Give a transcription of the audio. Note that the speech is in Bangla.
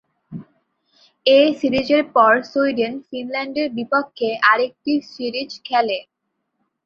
এ সিরিজের পর সুইডেন ফিনল্যান্ডের বিপক্ষে আরেকটি সিরিজ খেলে।